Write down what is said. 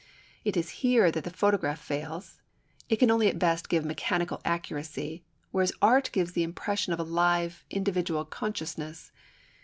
# It is here that the photograph fails, it can only at best give mechanical accuracy, whereas art gives the impression of a live, individual consciousness.